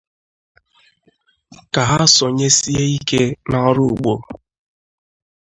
ka ha sonyesie ike n'ọrụ ugbo